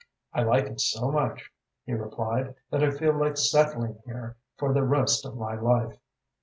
"I like it so much," he replied, "that I feel like settling here for the rest of my life."